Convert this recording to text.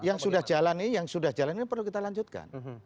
yang sudah jalan ini yang sudah jalan ini perlu kita lanjutkan